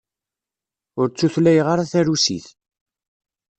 Ur tutlayeɣ ara tarusit.